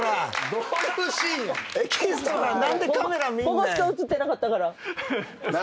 ここしか映ってなかったから。